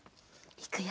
いくよ。